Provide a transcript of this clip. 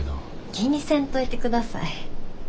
気にせんといてください。